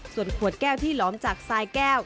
ส่วนขวดแก้วที่หลอมจากทรายแก้ว